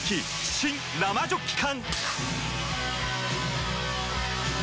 新・生ジョッキ缶！